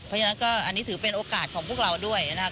เพราะฉะนั้นก็อันนี้ถือเป็นโอกาสของพวกเราด้วยนะครับ